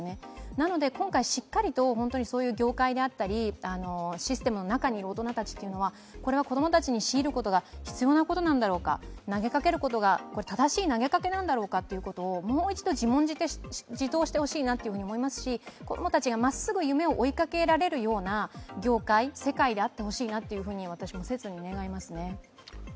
なので今回しっかりとそういう業界だったりシステムの中にいる大人たちはこれは子供たちに強いることが必要なことなんだろうか、投げかけることが正しい投げかけなのだろうかともう一度、自問自答してほしいと思いますし、子どもたちがまっすぐ夢を追いかけられるような業界、世界であってほしいなと切に願います。